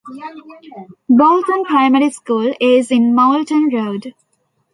Boughton Primary School is in Moulton Road.